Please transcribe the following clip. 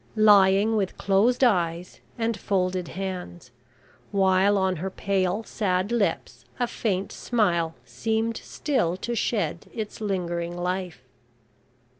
lying with closed eyes and folded hands; while on her pale, sad lips a faint smile seemed still to shed its lingering life.